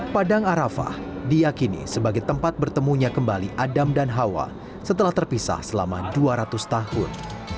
padang arafah diakini sebagai tempat bertemunya kembali adam dan hawa setelah terpisah selama dua ratus tahun